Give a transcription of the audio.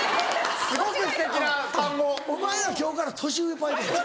・すごくすてきな単語・お前ら今日から年上パイロット。